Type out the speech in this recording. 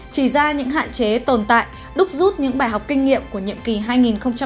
chỉ ra những hạn chế tồn tại đúc rút những bài học kinh nghiệm của nhiệm kỳ hai nghìn một mươi ba hai nghìn một mươi tám